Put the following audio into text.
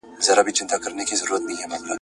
عقل په پیسو نه رانیول کېږي ..